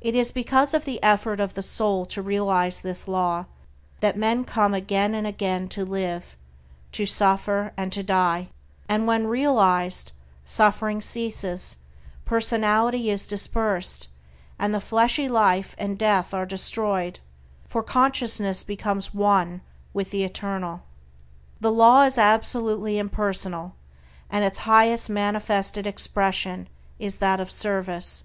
It is because of the effort of the soul to realize this Law that men come again and again to live, to suffer, and to die; and when realized, suffering ceases, personality is dispersed, and the fleshly life and death are destroyed, for consciousness becomes one with the Eternal. The Law is absolutely impersonal, and its highest manifested expression is that of Service.